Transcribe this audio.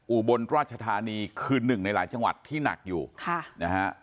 อุบลราชธานีคือหนึ่งในหลายจังหวัดที่หนักอยู่ค่ะนะฮะ